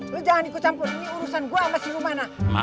lo jangan ikut campur ini urusan gue sama si rumana